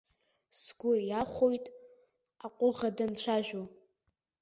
Сгәы иахәоит аҟәыӷа данцәажәо.